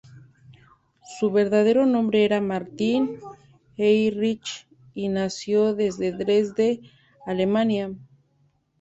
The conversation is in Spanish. Su verdadero nombre era "Martin Heinrich", y nació en Dresde, Alemania.